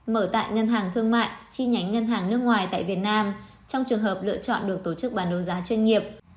mở tại ngân hàng thương mại chi nhánh ngân hàng nước ngoài tại việt nam trong trường hợp lựa chọn được tổ chức bán đấu giá chuyên nghiệp